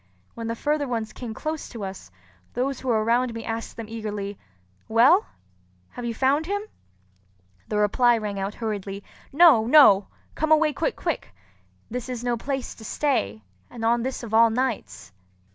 When the further ones came close to us, those who were around me asked them eagerly, "Well, have you found him?" The reply rang out hurriedly, "No! no! Come away quick quick! This is no place to stay, and on this of all nights!"